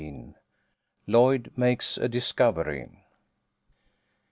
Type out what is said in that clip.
LLOYD MAKES A DISCOVERY.